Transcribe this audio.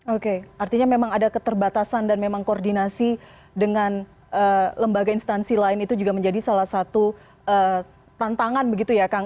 oke artinya memang ada keterbatasan dan memang koordinasi dengan lembaga instansi lain itu juga menjadi salah satu tantangan begitu ya kang